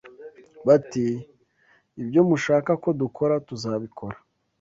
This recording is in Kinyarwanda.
bati ‘ibyo mushaka ko dukora tuzabikora.”